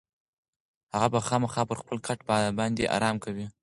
هغه به خامخا پر خپل کټ باندې ارام کوي.